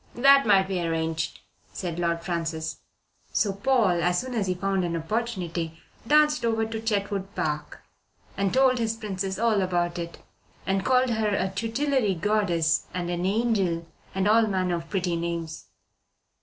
"That might be arranged," said Lord Francis. So Paul, as soon as he found an opportunity, danced over to Chetwood Park and told his Princess all about it, and called her a tutelary goddess and an angel and all manner of pretty names.